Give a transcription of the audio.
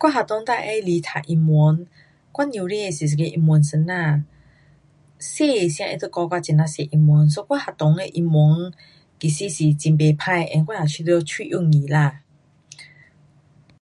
我学堂最喜欢读英文。我母亲是一个英文老师。小的时间他就较我很呐多英文。so 我学堂的英文其实也很不错。and 我也觉得蛮容易啦。